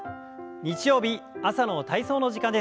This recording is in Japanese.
日曜日朝の体操の時間です。